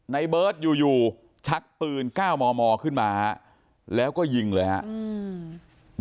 ในเบิร์ตอยู่อยู่ชักปืนเก้ามอมอขึ้นมาแล้วก็ยิงเลยครับ